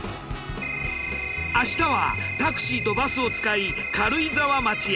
明日はタクシーとバスを使い軽井沢町へ。